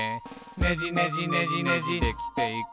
「ねじねじねじねじできていく」